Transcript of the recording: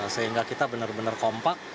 sehingga kita benar benar kompak